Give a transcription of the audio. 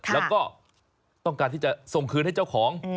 แล้วก็ต้องการที่จะส่งคืนให้เจ้าของ